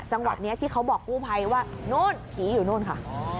จังหวัดนี้ที่เขาบอกกู้ภัยว่านู่นผีอยู่นู่นค่ะ